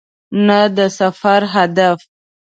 نه د سفر هدف .